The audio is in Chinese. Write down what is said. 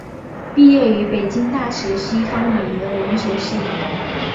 毕业于北京大学西方语言文学系。